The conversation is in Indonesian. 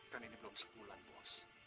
kan ini belum sebulan bos